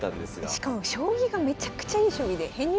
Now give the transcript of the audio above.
しかも将棋がめちゃくちゃいい将棋で編入